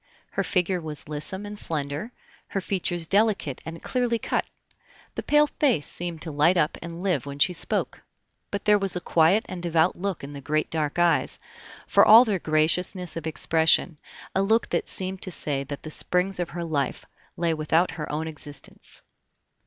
Her figure was lissome and slender, her features delicate and clearly cut; the pale face seemed to light up and live when she spoke; but there was a quiet and devout look in the great dark eyes, for all their graciousness of expression a look that seemed to say that the springs of her life lay without her own existence.